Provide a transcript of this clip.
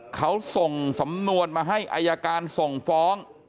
เขาส่งสำนวนมาให้อายการส่งฟ้อง